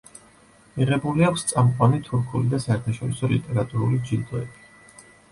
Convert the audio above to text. მიღებული აქვს წამყვანი თურქული და საერთაშორისო ლიტერატურული ჯილდოები.